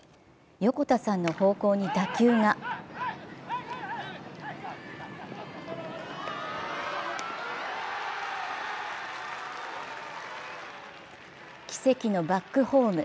横田さんの方向に打球が奇跡のバックホーム。